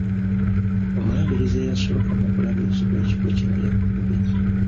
Omulabirizi eyasooka mu bulabirizi bw'ekifo kino yafudde.